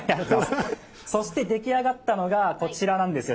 そして出来上がったのが、こちらなんですよ